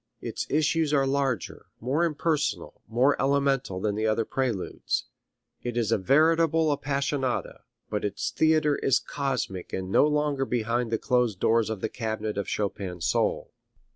Its issues are larger, more impersonal, more elemental than the other preludes. It is a veritable Appassionata, but its theatre is cosmic and no longer behind the closed doors of the cabinet of Chopin's soul.